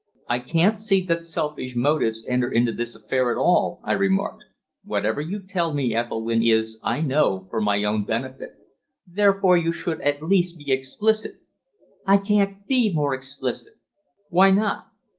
"I can't see that selfish motives enter into this affair at all," I remarked. "Whatever you tell me, Ethelwynn, is, I know, for my own benefit. Therefore you should at least be explicit." "I can't be more explicit." "Why not?"